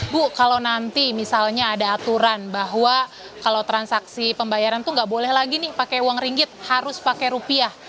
bu kalau nanti misalnya ada aturan bahwa kalau transaksi pembayaran itu nggak boleh lagi nih pakai uang ringgit harus pakai rupiah